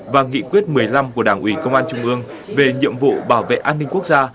và nghị quyết một mươi năm của đảng ủy công an trung ương về nhiệm vụ bảo vệ an ninh quốc gia